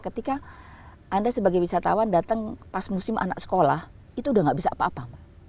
ketika anda sebagai wisatawan datang pas musim anak sekolah itu udah gak bisa apa apa